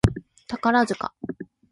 宝塚